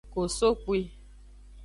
Kosokpwi.